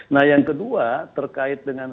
nah yang kedua terkait dengan